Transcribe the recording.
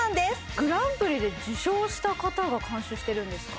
グランプリで受賞した方が監修してるんですか？